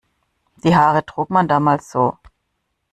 Die Haare trug man damals so.